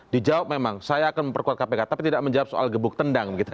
dijawab memang saya akan memperkuat kpk tapi tidak menjawab soal gebuk tendang